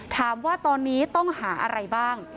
ถามว่าตอนนี้ต้องหาอะไรบ้าง